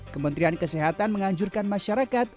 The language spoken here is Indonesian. kementerian kesehatan menganjurkan masyarakat